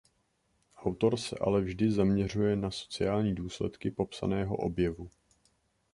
Autor se ale vždy zaměřuje na sociální důsledky popsaného objevu.